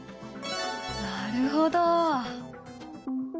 なるほど！